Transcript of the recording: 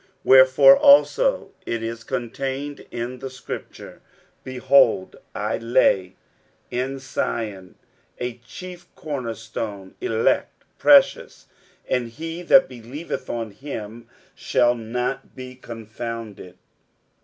60:002:006 Wherefore also it is contained in the scripture, Behold, I lay in Sion a chief corner stone, elect, precious: and he that believeth on him shall not be confounded.